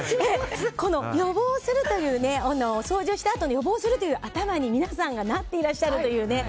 予防するということを想像したあとに予防するという頭に皆さんがなっていらっしゃるという。